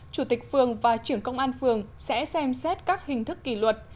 chủ tịch phường và trưởng công an phường sẽ xem xét các hình thức kỷ luật